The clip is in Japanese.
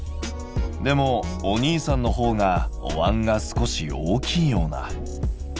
でもお兄さんのほうがおわんが少し大きいような。